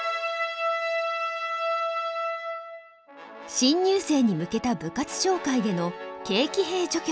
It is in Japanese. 新入生に向けた部活紹介での「軽騎兵」序曲。